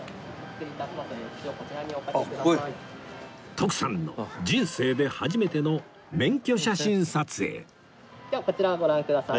徳さんの人生で初めての免許写真撮影ではこちらご覧ください。